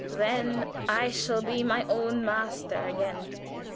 Then I shall be my own master again."